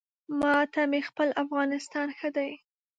ما ته مې خپل افغانستان ښه دی